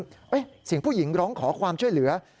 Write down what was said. เสียงผู้หญิงร้องขอความช่วยเหลือ